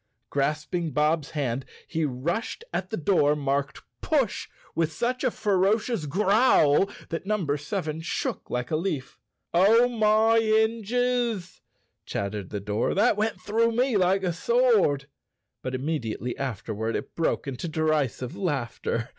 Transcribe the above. Grasping Bob's hand he rushed at the door marked "Push," with such a ferocious growl that Number seven shook like a leaf. "Oh, my hinges," chattered the door, "that went through me like a sword." But immediately afterward it broke into derisive laughter.